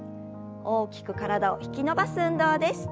大きく体を引き伸ばす運動です。